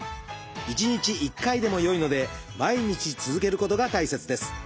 １日１回でもよいので毎日続けることが大切です。